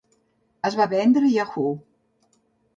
Es va vendre a Yahoo!